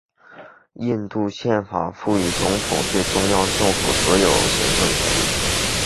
印度宪法赋予总统对中央政府的所有行政权力。